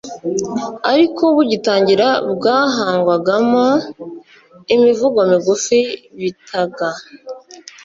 ariko bugitangira bwahangwagamo imivugo migufi bitaga